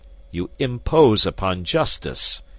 "You impose upon justice.